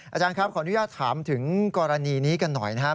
อาจารย์ครับขออนุญาตถามถึงกรณีนี้กันหน่อยนะครับ